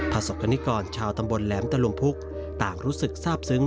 ประสบกรณิกรชาวตำบลแหลมตะลุมพุกต่างรู้สึกทราบซึ้ง